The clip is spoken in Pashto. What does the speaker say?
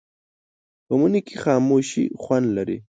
په مني کې خاموشي خوند لري